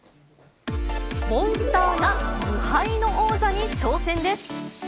モンスターが無敗の王者に挑戦です。